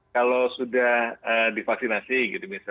kalau sudah divaksinasi